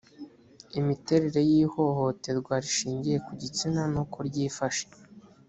imiterere y ihohoterwa rishingiye ku gitsina n uko ryifashe